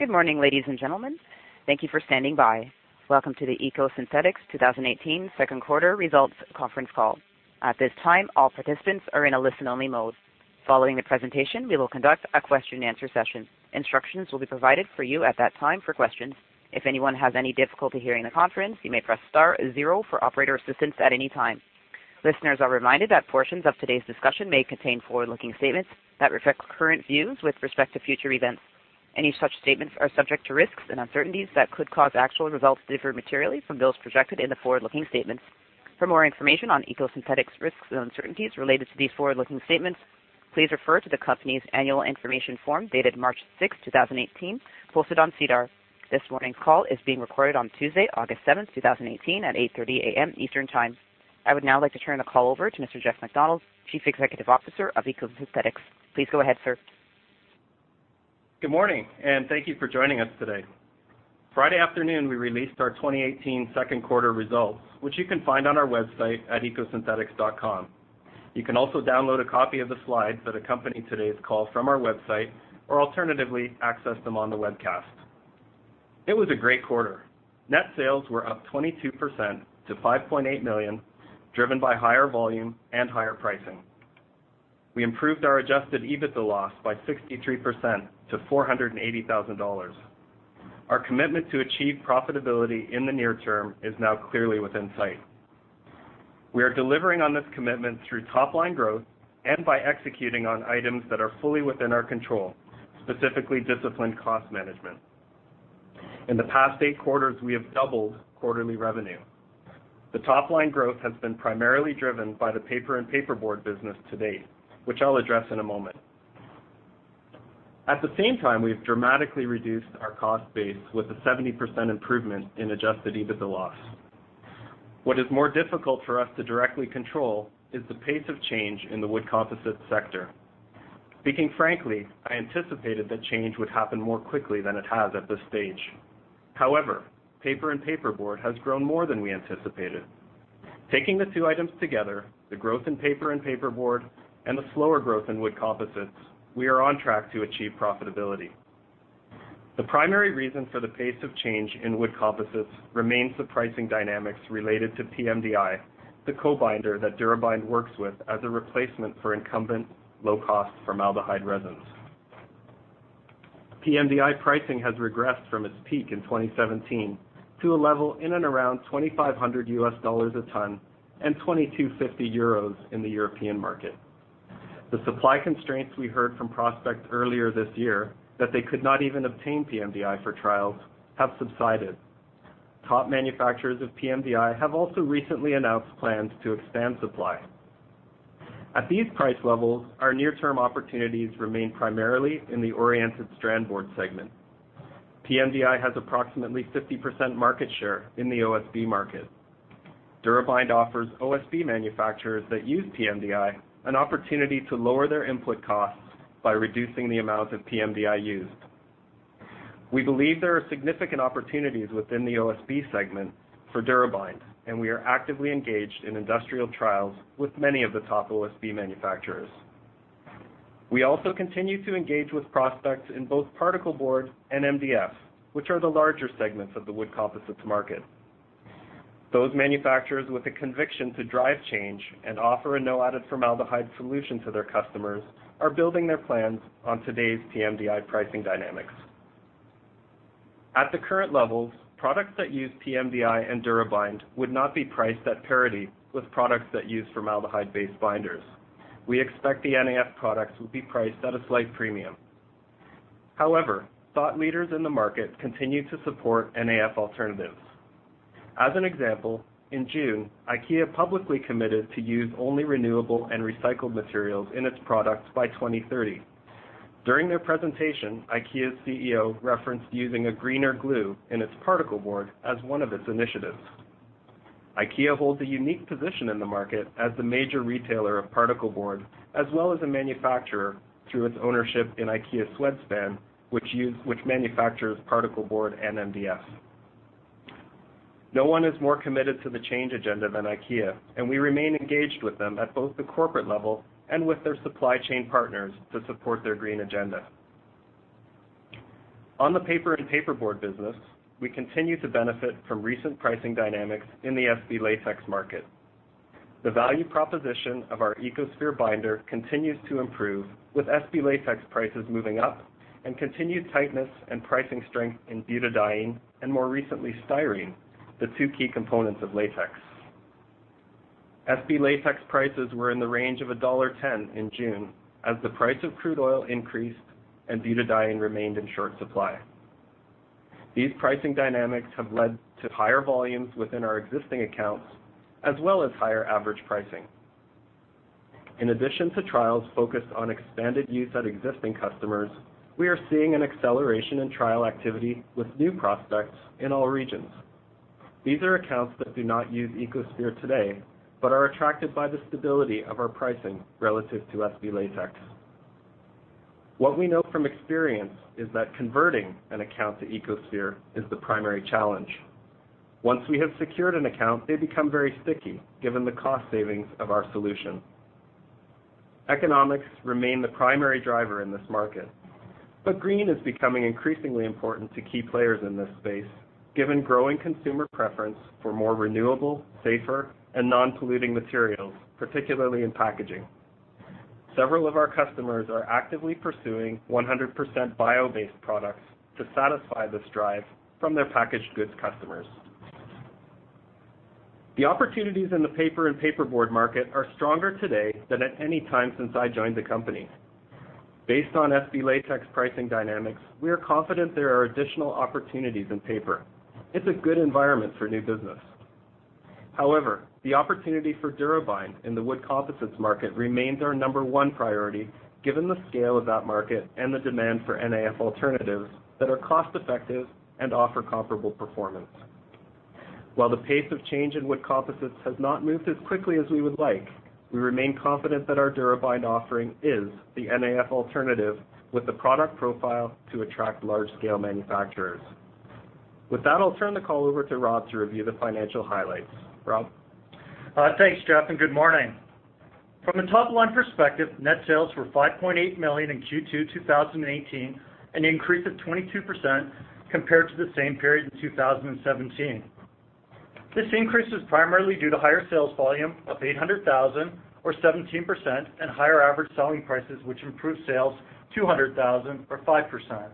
Good morning, ladies and gentlemen. Thank you for standing by. Welcome to the EcoSynthetix 2018 second quarter results conference call. At this time, all participants are in a listen-only mode. Following the presentation, we will conduct a question and answer session. Instructions will be provided for you at that time for questions. If anyone has any difficulty hearing the conference, you may press star zero for operator assistance at any time. Listeners are reminded that portions of today's discussion may contain forward-looking statements that reflect current views with respect to future events. Any such statements are subject to risks and uncertainties that could cause actual results to differ materially from those projected in the forward-looking statements. For more information on EcoSynthetix risks and uncertainties related to these forward-looking statements, please refer to the company's annual information form dated March 6th, 2018, posted on SEDAR. This morning's call is being recorded on Tuesday, August 7th, 2018, at 8:30 A.M. Eastern Time. I would now like to turn the call over to Mr. Jeff MacDonald, Chief Executive Officer of EcoSynthetix. Please go ahead, sir. Good morning. Thank you for joining us today. Friday afternoon, we released our 2018 second quarter results, which you can find on our website at ecosynthetix.com. You can also download a copy of the slides that accompany today's call from our website, or alternatively, access them on the webcast. It was a great quarter. Net sales were up 22% to 5.8 million, driven by higher volume and higher pricing. We improved our adjusted EBITDA loss by 63% to 480,000 dollars. Our commitment to achieve profitability in the near term is now clearly within sight. We are delivering on this commitment through top-line growth and by executing on items that are fully within our control, specifically disciplined cost management. In the past eight quarters, we have doubled quarterly revenue. The top-line growth has been primarily driven by the paper and paperboard business to date, which I'll address in a moment. At the same time, we've dramatically reduced our cost base with a 70% improvement in adjusted EBITDA loss. What is more difficult for us to directly control is the pace of change in the wood composites sector. Speaking frankly, I anticipated that change would happen more quickly than it has at this stage. However, paper and paperboard has grown more than we anticipated. Taking the two items together, the growth in paper and paperboard and the slower growth in wood composites, we are on track to achieve profitability. The primary reason for the pace of change in wood composites remains the pricing dynamics related to PMDI, the co-binder that DuraBind works with as a replacement for incumbent low-cost formaldehyde resins. PMDI pricing has regressed from its peak in 2017 to a level in and around $2,500 a ton and 2,250 euros in the European market. The supply constraints we heard from prospects earlier this year that they could not even obtain PMDI for trials have subsided. Top manufacturers of PMDI have also recently announced plans to expand supply. At these price levels, our near-term opportunities remain primarily in the oriented strand board segment. PMDI has approximately 50% market share in the OSB market. DuraBind offers OSB manufacturers that use PMDI an opportunity to lower their input costs by reducing the amount of PMDI used. We believe there are significant opportunities within the OSB segment for DuraBind, and we are actively engaged in industrial trials with many of the top OSB manufacturers. We also continue to engage with prospects in both particle board and MDF, which are the larger segments of the wood composites market. Those manufacturers with a conviction to drive change and offer a no added formaldehyde solution to their customers are building their plans on today's PMDI pricing dynamics. At the current levels, products that use PMDI and DuraBind would not be priced at parity with products that use formaldehyde-based binders. We expect the NAF products will be priced at a slight premium. Thought leaders in the market continue to support NAF alternatives. As an example, in June, IKEA publicly committed to use only renewable and recycled materials in its products by 2030. During their presentation, IKEA's CEO referenced using a greener glue in its particle board as one of its initiatives. IKEA holds a unique position in the market as the major retailer of particle board, as well as a manufacturer through its ownership in IKEA Swedspan, which manufactures particle board and MDF. No one is more committed to the change agenda than IKEA, and we remain engaged with them at both the corporate level and with their supply chain partners to support their green agenda. On the paper and paperboard business, we continue to benefit from recent pricing dynamics in the SB latex market. The value proposition of our EcoSphere binder continues to improve, with SB latex prices moving up and continued tightness and pricing strength in butadiene, and more recently, styrene, the two key components of latex. SB latex prices were in the range of dollar 1.10 in June as the price of crude oil increased and butadiene remained in short supply. These pricing dynamics have led to higher volumes within our existing accounts, as well as higher average pricing. In addition to trials focused on expanded use at existing customers, we are seeing an acceleration in trial activity with new prospects in all regions. These are accounts that do not use EcoSphere today, but are attracted by the stability of our pricing relative to SB latex. What we know from experience is that converting an account to EcoSphere is the primary challenge. Once we have secured an account, they become very sticky given the cost savings of our solution. Economics remain the primary driver in this market. Green is becoming increasingly important to key players in this space, given growing consumer preference for more renewable, safer, and non-polluting materials, particularly in packaging. Several of our customers are actively pursuing 100% bio-based products to satisfy this drive from their packaged goods customers. The opportunities in the paper and paperboard market are stronger today than at any time since I joined the company. Based on SB latex pricing dynamics, we are confident there are additional opportunities in paper. It's a good environment for new business. The opportunity for DuraBind in the wood composites market remains our number one priority, given the scale of that market and the demand for NAF alternatives that are cost-effective and offer comparable performance. While the pace of change in wood composites has not moved as quickly as we would like, we remain confident that our DuraBind offering is the NAF alternative with the product profile to attract large-scale manufacturers. With that, I'll turn the call over to Rob to review the financial highlights. Rob? Thanks, Jeff, and good morning. From a top-line perspective, net sales were 5.8 million in Q2 2018, an increase of 22% compared to the same period in 2017. This increase was primarily due to higher sales volume of 800,000 or 17% and higher average selling prices, which improved sales 200,000 or 5%.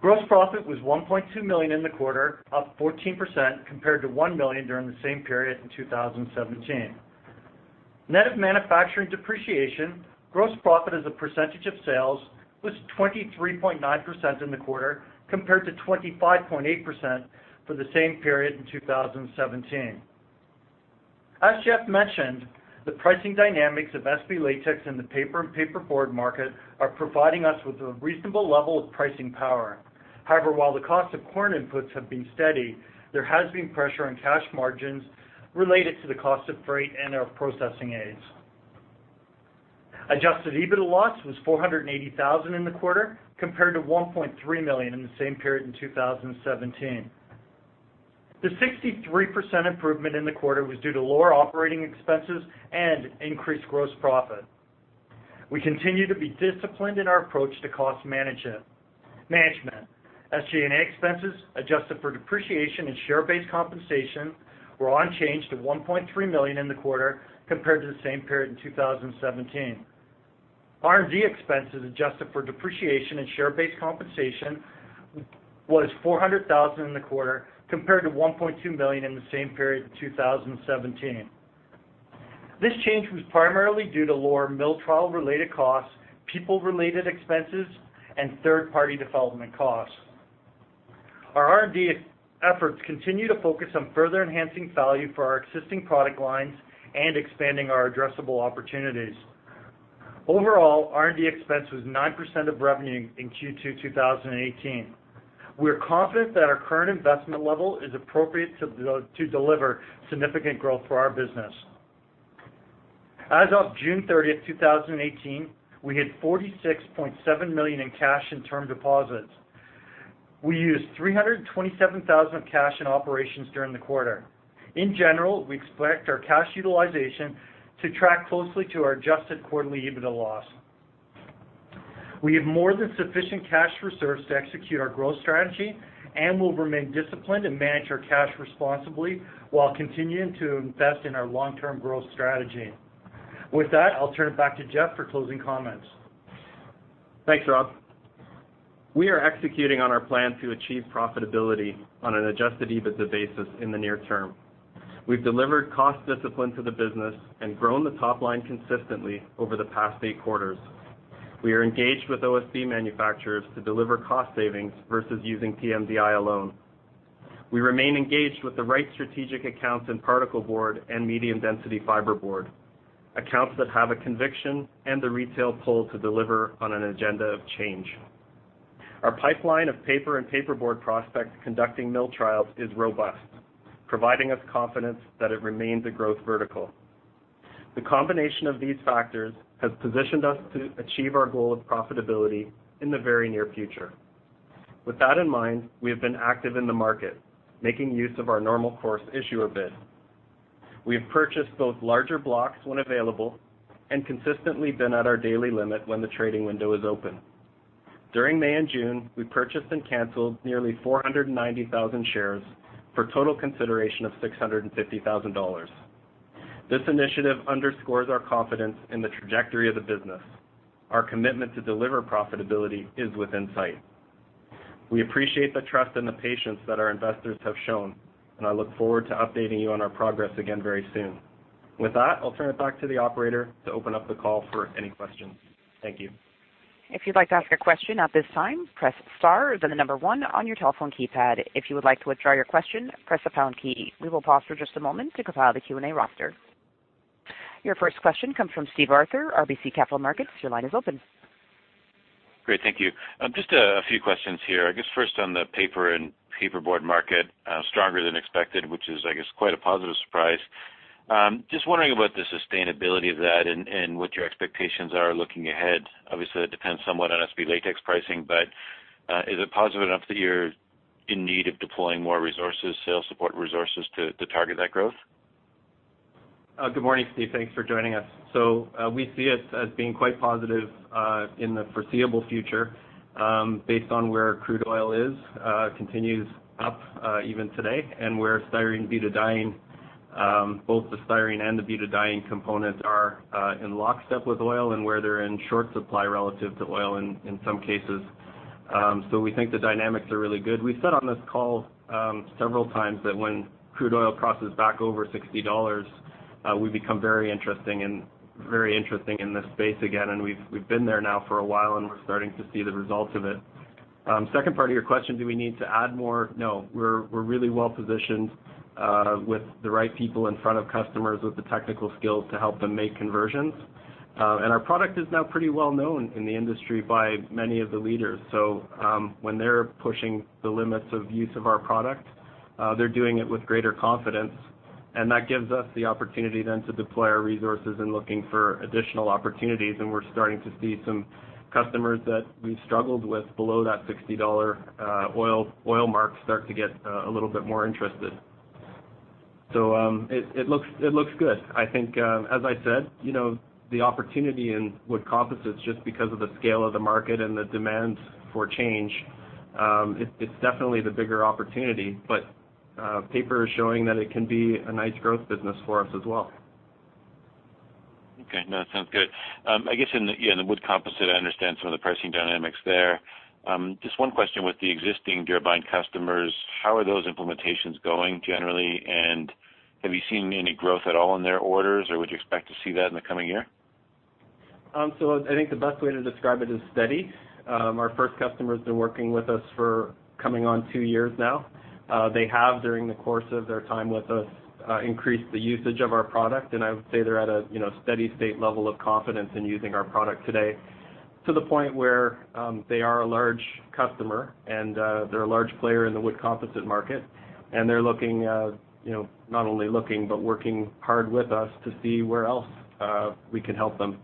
Gross profit was 1.2 million in the quarter, up 14% compared to 1 million during the same period in 2017. Net of manufacturing depreciation, gross profit as a percentage of sales was 23.9% in the quarter, compared to 25.8% for the same period in 2017. As Jeff mentioned, the pricing dynamics of SB latex in the paper and paperboard market are providing us with a reasonable level of pricing power. While the cost of corn inputs have been steady, there has been pressure on cash margins related to the cost of freight and our processing aids. Adjusted EBITDA loss was 480,000 in the quarter, compared to 1.3 million in the same period in 2017. The 63% improvement in the quarter was due to lower operating expenses and increased gross profit. We continue to be disciplined in our approach to cost management. SG&A expenses adjusted for depreciation and share-based compensation were unchanged at 1.3 million in the quarter compared to the same period in 2017. R&D expenses adjusted for depreciation and share-based compensation was 400,000 in the quarter compared to 1.2 million in the same period in 2017. This change was primarily due to lower mill trial-related costs, people-related expenses, and third-party development costs. Our R&D efforts continue to focus on further enhancing value for our existing product lines and expanding our addressable opportunities. R&D expense was 9% of revenue in Q2 2018. We are confident that our current investment level is appropriate to deliver significant growth for our business. As of June 30th, 2018, we had 46.7 million in cash and term deposits. We used 327,000 of cash in operations during the quarter. We expect our cash utilization to track closely to our adjusted quarterly EBITDA loss. We have more than sufficient cash reserves to execute our growth strategy and will remain disciplined and manage our cash responsibly while continuing to invest in our long-term growth strategy. With that, I'll turn it back to Jeff for closing comments. Thanks, Rob. We are executing on our plan to achieve profitability on an adjusted EBITDA basis in the near term. We've delivered cost discipline to the business and grown the top line consistently over the past eight quarters. We are engaged with OSB manufacturers to deliver cost savings versus using PMDI alone. We remain engaged with the right strategic accounts in particleboard and medium-density fiberboard, accounts that have a conviction and the retail pull to deliver on an agenda of change. Our pipeline of paper and paperboard prospects conducting mill trials is robust, providing us confidence that it remains a growth vertical. The combination of these factors has positioned us to achieve our goal of profitability in the very near future. With that in mind, we have been active in the market, making use of our normal course issuer bid. We have purchased both larger blocks when available and consistently been at our daily limit when the trading window is open. During May and June, we purchased and canceled nearly 490,000 shares for a total consideration of 650,000 dollars. This initiative underscores our confidence in the trajectory of the business. Our commitment to deliver profitability is within sight. We appreciate the trust and the patience that our investors have shown. I look forward to updating you on our progress again very soon. With that, I'll turn it back to the operator to open up the call for any questions. Thank you. If you'd like to ask a question at this time, press star, then the number one on your telephone keypad. If you would like to withdraw your question, press the pound key. We will pause for just a moment to compile the Q&A roster. Your first question comes from Steve Arthur, RBC Capital Markets. Your line is open. Great. Thank you. Just a few questions here. I guess first on the paper and paperboard market, stronger than expected, which is I guess quite a positive surprise. Just wondering about the sustainability of that and what your expectations are looking ahead. Obviously, that depends somewhat on SB latex pricing. Is it positive enough that you're in need of deploying more resources, sales support resources, to target that growth? Good morning, Steve. Thanks for joining us. We see it as being quite positive in the foreseeable future based on where crude oil is. Continues up even today, and where styrene butadiene, both the styrene and the butadiene components are in lockstep with oil and where they're in short supply relative to oil in some cases. We think the dynamics are really good. We've said on this call several times that when crude oil crosses back over 60 dollars, we become very interesting and very interesting in this space again, and we've been there now for a while, and we're starting to see the results of it. Second part of your question, do we need to add more? No. We're really well-positioned with the right people in front of customers with the technical skills to help them make conversions. And our product is now pretty well-known in the industry by many of the leaders. When they're pushing the limits of use of our product, they're doing it with greater confidence, and that gives us the opportunity then to deploy our resources in looking for additional opportunities. We're starting to see some customers that we've struggled with below that 60 dollar oil mark start to get a little bit more interested. It looks good. I think, as I said, the opportunity in wood composites, just because of the scale of the market and the demands for change, it's definitely the bigger opportunity, but paper is showing that it can be a nice growth business for us as well. Okay. No, sounds good. I guess in the wood composite, I understand some of the pricing dynamics there. Just one question. With the existing DuraBind customers, how are those implementations going generally, and have you seen any growth at all in their orders, or would you expect to see that in the coming year? I think the best way to describe it is steady. Our first customer's been working with us for coming on two years now. They have, during the course of their time with us, increased the usage of our product, and I would say they're at a steady state level of confidence in using our product today, to the point where they are a large customer, and they're a large player in the wood composite market, and they're not only looking, but working hard with us to see where else we can help them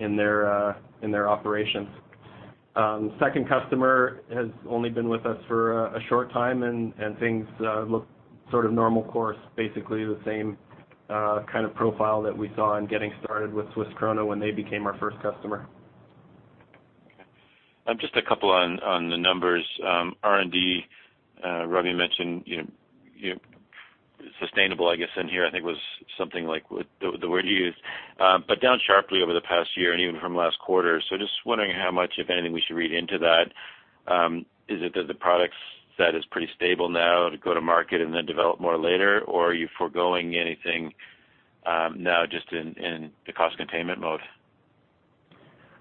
in their operations. Second customer has only been with us for a short time, and things look sort of normal course. Basically, the same kind of profile that we saw in getting started with Swiss Krono when they became our first customer. Okay. Just a couple on the numbers. R&D, Rob mentioned sustainable, I guess, in here, I think was something like the word you used. Down sharply over the past year and even from last quarter. Just wondering how much, if anything, we should read into that. Is it that the product set is pretty stable now to go to market and then develop more later, or are you foregoing anything now just in the cost containment mode?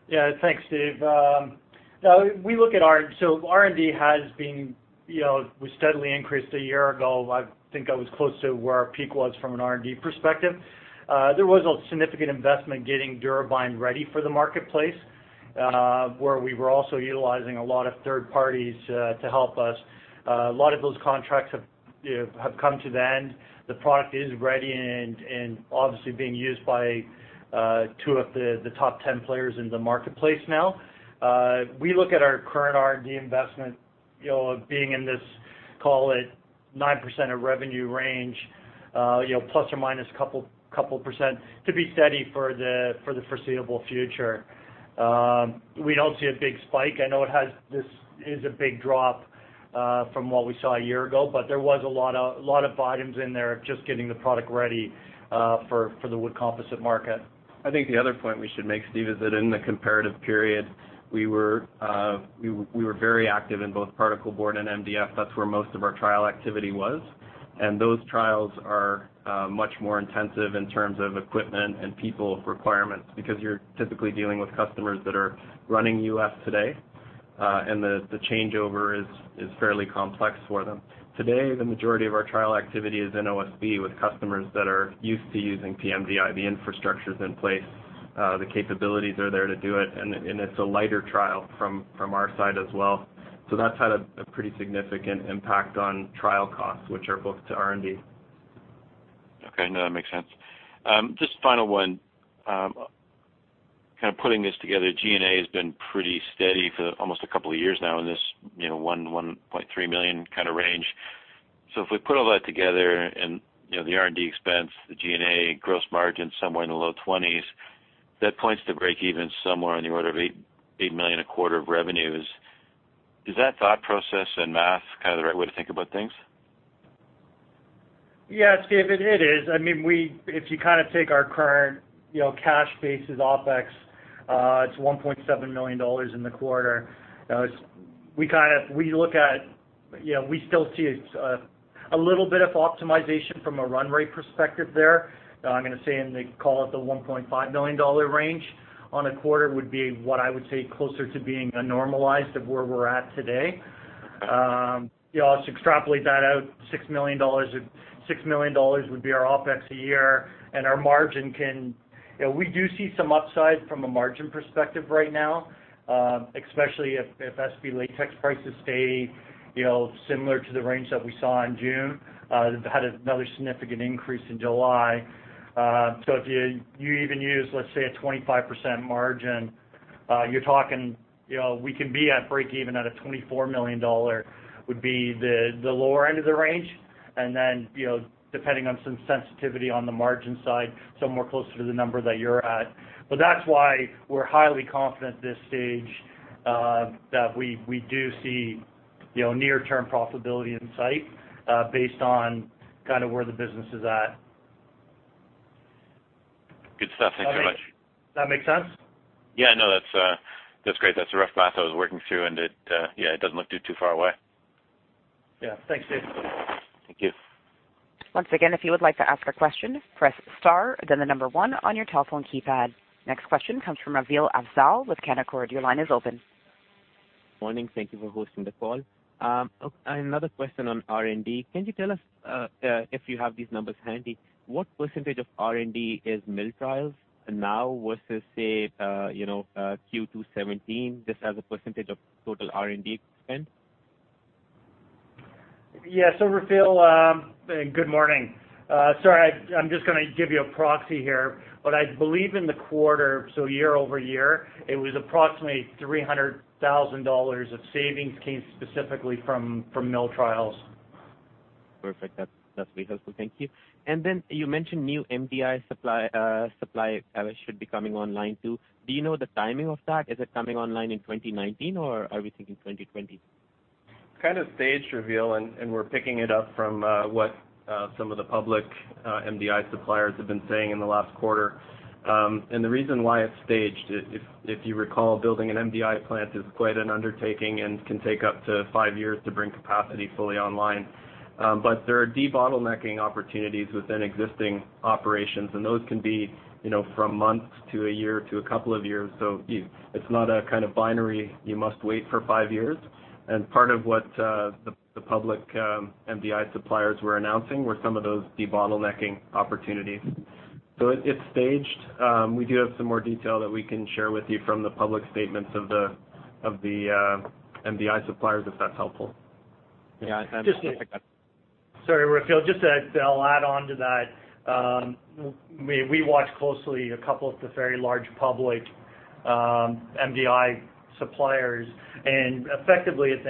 Yeah. Thanks, Steve. R&D has been steadily increased a year ago. I think I was close to where our peak was from an R&D perspective. There was a significant investment getting DuraBind ready for the marketplace, where we were also utilizing a lot of third parties to help us. A lot of those contracts have come to the end. The product is ready and obviously being used by 2 of the top 10 players in the marketplace now. We look at our current R&D investment of being in this, call it 9% of revenue range, plus or minus 2% to be steady for the foreseeable future. We don't see a big spike. I know this is a big drop from what we saw a year ago, but there was a lot of items in there of just getting the product ready for the wood composite market. I think the other point we should make, Steve, is that in the comparative period, we were very active in both particle board and MDF. That's where most of our trial activity was. Those trials are much more intensive in terms of equipment and people requirements because you're typically dealing with customers that are running UF today. The changeover is fairly complex for them. Today, the majority of our trial activity is in OSB with customers that are used to using PMDI. The infrastructure's in place. The capabilities are there to do it, and it's a lighter trial from our side as well. That's had a pretty significant impact on trial costs, which are booked to R&D. Okay. No, that makes sense. Just final one. Kind of putting this together, SG&A has been pretty steady for almost 2 years now in this 1 million-1.3 million kind of range. If we put all that together and the R&D expense, the SG&A gross margin somewhere in the low 20%s, that points to breakeven somewhere on the order of 8 million a quarter of revenues. Is that thought process and math kind of the right way to think about things? Steve, it is. If you take our current cash basis OpEx, it's 1.7 million dollars in the quarter. We still see a little bit of optimization from a run rate perspective there. I'm going to say in the, call it, the 1.5 million dollar range on a quarter would be what I would say closer to being a normalized of where we're at today. I'll extrapolate that out, 6 million dollars would be our OpEx a year. We do see some upside from a margin perspective right now, especially if SB latex prices stay similar to the range that we saw in June. They've had another significant increase in July. If you even use, let's say, a 25% margin, we can be at breakeven at a 24 million dollar, would be the lower end of the range. Depending on some sensitivity on the margin side, somewhere closer to the number that you're at. That's why we're highly confident at this stage that we do see near-term profitability in sight, based on where the business is at. Good stuff. Thanks so much. That make sense? Yeah, no, that's great. That's the rough math I was working through and it doesn't look too far away. Yeah. Thanks, Steve. Thank you. Once again, if you would like to ask a question, press star, then the number one on your telephone keypad. Next question comes from Raveel Afzaal with Canaccord. Your line is open. Morning. Thank you for hosting the call. Another question on R&D. Can you tell us, if you have these numbers handy, what % of R&D is mill trials now versus, say, Q2 2017, just as a % of total R&D spend? Yeah. Raveel, good morning. Sorry, I'm just going to give you a proxy here, but I believe in the quarter, year-over-year, it was approximately 300,000 dollars of savings came specifically from mill trials. Perfect. That's really helpful. Thank you. You mentioned new MDI supply should be coming online too. Do you know the timing of that? Is it coming online in 2019, or are we thinking 2020? It's kind of staged, Raveel, we're picking it up from what some of the public MDI suppliers have been saying in the last quarter. The reason why it's staged, if you recall, building an MDI plant is quite an undertaking and can take up to five years to bring capacity fully online. There are debottlenecking opportunities within existing operations, and those can be from months to a year to a couple of years. It's not a kind of binary, you must wait for five years. Part of what the public MDI suppliers were announcing were some of those debottlenecking opportunities. It's staged. We do have some more detail that we can share with you from the public statements of the MDI suppliers, if that's helpful. Yeah. I think Sorry, Raveel, just to add on to that. We watch closely a couple of the very large public MDI suppliers, effectively at the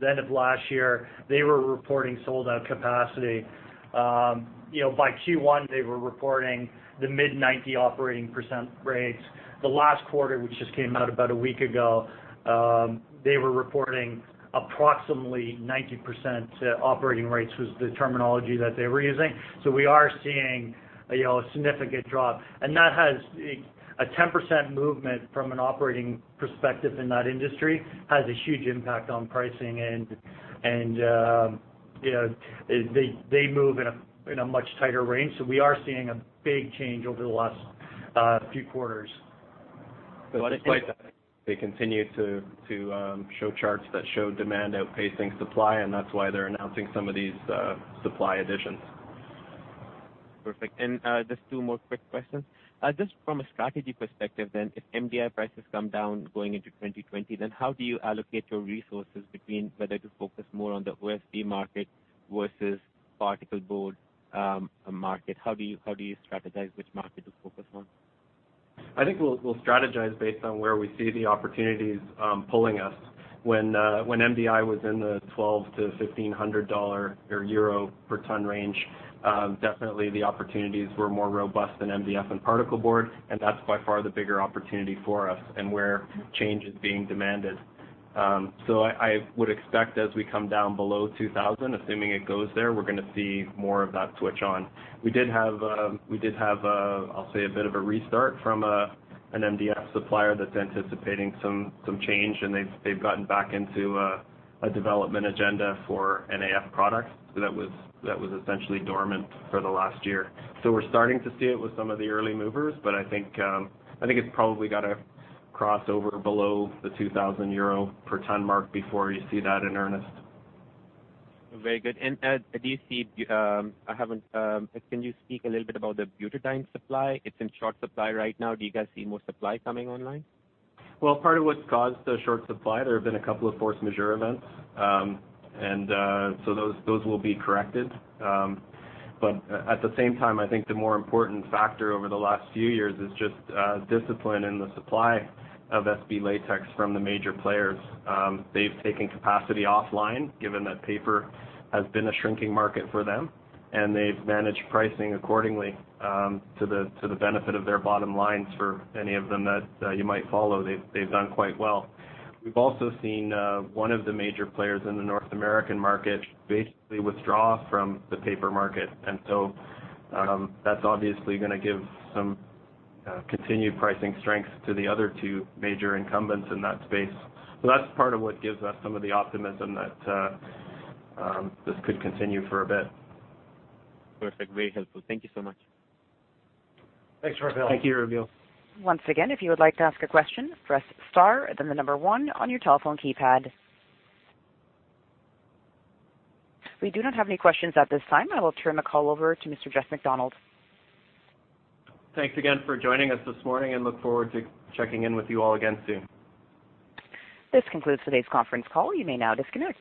end of last year, they were reporting sold out capacity. By Q1, they were reporting the mid-90 operating % rates. The last quarter, which just came out about a week ago, they were reporting approximately 90% operating rates, was the terminology that they were using. We are seeing a significant drop. A 10% movement from an operating perspective in that industry has a huge impact on pricing, and they move in a much tighter range. We are seeing a big change over the last few quarters. Despite that, they continue to show charts that show demand outpacing supply, and that's why they're announcing some of these supply additions. Perfect. Just two more quick questions. Just from a strategy perspective then, if MDI prices come down going into 2020, then how do you allocate your resources between whether to focus more on the OSB market versus particleboard market? How do you strategize which market to focus on? I think we'll strategize based on where we see the opportunities pulling us. When MDI was in the 1,200 to EUR 1,500 per ton range, definitely the opportunities were more robust than MDF and particleboard, and that's by far the bigger opportunity for us and where change is being demanded. I would expect as we come down below 2,000, assuming it goes there, we're going to see more of that switch on. We did have, I'll say, a bit of a restart from an MDF supplier that's anticipating some change, and they've gotten back into a development agenda for NAF products that was essentially dormant for the last year. We're starting to see it with some of the early movers, but I think it's probably got to cross over below the 2,000 euro per ton mark before you see that in earnest. Very good. Can you speak a little bit about the butadiene supply? It's in short supply right now. Do you guys see more supply coming online? Well, part of what's caused the short supply, there have been a couple of force majeure events. Those will be corrected. At the same time, I think the more important factor over the last few years is just discipline in the supply of SB latex from the major players. They've taken capacity offline, given that paper has been a shrinking market for them, and they've managed pricing accordingly to the benefit of their bottom lines. For any of them that you might follow, they've done quite well. We've also seen one of the major players in the North American market basically withdraw from the paper market, and so that's obviously going to give some continued pricing strength to the other two major incumbents in that space. That's part of what gives us some of the optimism that this could continue for a bit. Perfect. Very helpful. Thank you so much. Thanks, Raveel. Thank you, Ravee. Once again, if you would like to ask a question, press star and then the number one on your telephone keypad. We do not have any questions at this time. I will turn the call over to Mr. Jeff MacDonald. Thanks again for joining us this morning, and look forward to checking in with you all again soon. This concludes today's conference call. You may now disconnect.